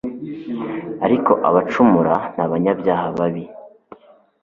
ariko abacumura n'abanyabyaha babi